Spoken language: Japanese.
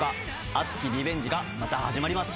熱きリベンジがまた始まります。